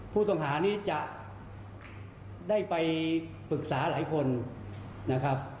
ผู้ต้องหานี้จะได้ไปปรึกษาหลายคนนะครับ